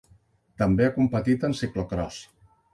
També ha competit en ciclocròs.